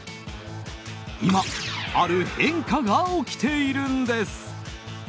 今、ある変化が起きているんです。